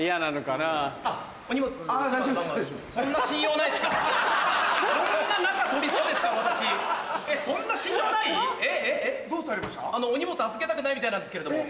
お荷物預けたくないみたいなんですけれども。